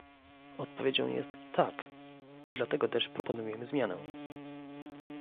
Odpowiedzią jest "tak" i dlatego też proponujemy zmianę